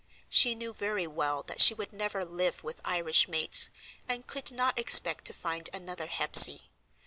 She knew very well that she would never live with Irish mates, and could not expect to find another Hepsey.